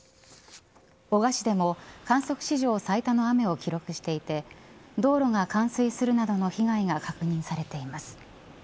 男鹿市でも観測史上最多の雨を記録していて道路が冠水するなどの被害が確認されています。